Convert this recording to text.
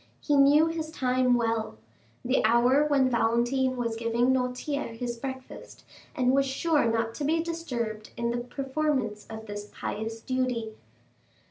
He knew his time well—the hour when Valentine was giving Noirtier his breakfast, and was sure not to be disturbed in the performance of this pious duty.